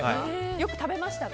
よく食べましたか？